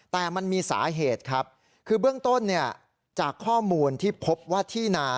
แต่มันมีสาเหตุครับคือเบื้องต้นเนี่ยจากข้อมูลที่พบว่าที่นา